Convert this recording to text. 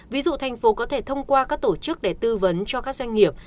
ví dụ thành phố có thể thông qua các tổ chức để tư vấn cho các doanh nghiệp